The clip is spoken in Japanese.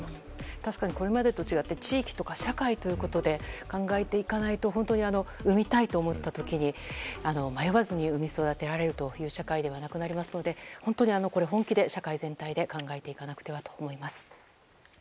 確かにこれまでと違って地域とか社会とかで考えていかないと本当に産みたいと思った時に迷わずに産み育てられるという社会ではなくなりますので本当に本気で社会全体で考えていかなくてはと思います。